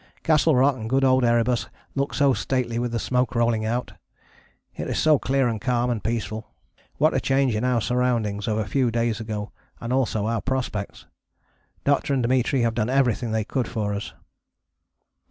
Castle Rock and good old Erebus look so stately with the smoke rolling out. It is so clear and calm and peaceful. What a change in our surroundings of a few days ago and also our prospects. Doctor and Dimitri have done everything they could for us.